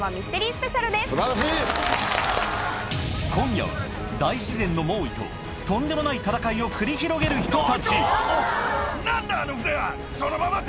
今夜は大自然の猛威ととんでもない戦いを繰り広げる人たちうわ！